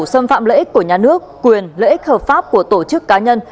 xâm phạm lợi ích của nhà nước quyền lợi ích hợp pháp của tổ chức cá nhân